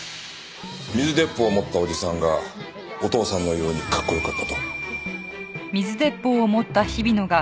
水鉄砲を持ったおじさんがお父さんのようにかっこよかったと。